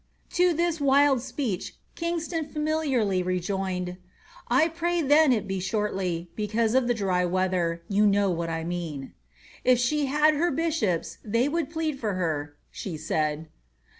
To this wild speech Kingston familiarly rejoined, ^ 1 pray then it be shortly, because of the dry weather, you know wliat I mean." ^^ If she had her bishops they would plead for her," she said.